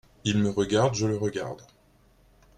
Il me regarde, je le regarde…